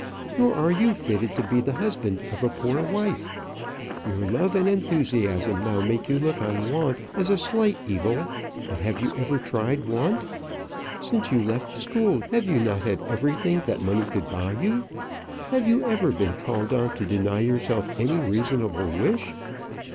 Nor are you fitted to be the husband of a poor wife. Your love and enthusiasm now make you look on want as a slight evil; but have you ever tried want? Since you left school, have you not had everything that money could buy you? Have you ever been called on to deny yourself any reasonable wish?